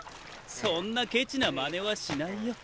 そんなケチなまねはしないよ。